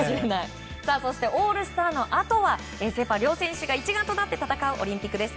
オールスターのあとはセ・パ４選手が一丸となって戦うオリンピックです。